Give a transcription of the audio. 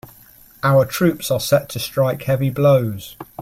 Our troops are set to strike heavy blows.